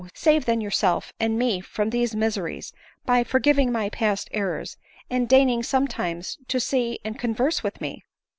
Save then yourself and me from these miseries, by forgiving my past errors, and deigning sometimes to see and converse with me